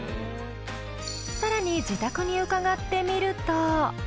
更に自宅に伺ってみると。